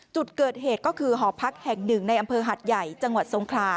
จุดเกิดเหตุก็คือหอพักแห่งหนึ่งในอำเภอหัดใหญ่จังหวัดทรงคลา